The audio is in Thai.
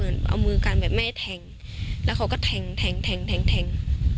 เอามือกันแบบไม่แทงแล้วเขาก็แทงแทงแทงแทงแทง